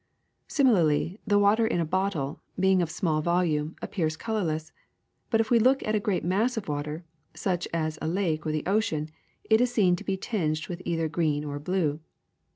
Similarly, the water in a bottle, being of small volume, appears colorless ; but if we look at a great mass of water, such as a lake or the ocean, it is seen to be tinged with either green or blue.